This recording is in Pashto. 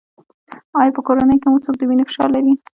ایا په کورنۍ کې مو څوک د وینې فشار لري؟